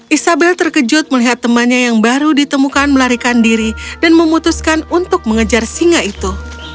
isabel terkejut melihat temannya yang baru ditemukan melarikan diri dan memutuskan untuk mengejar singa itu